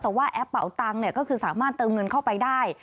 แต่ว่าแอปเป่าตังค์ก็คือสามารถเติมเงินเข้าไปได้